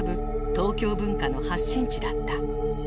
東京文化の発信地だった。